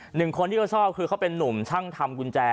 หนึ่งคนที่เขาชอบคือเขาเป็นนุ่มช่างทำกุญแจ